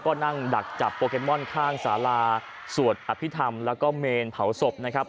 ก็นั่งดักจับโปเกมอนข้างสาราสวดอภิษฐรรมแล้วก็เมนเผาศพนะครับ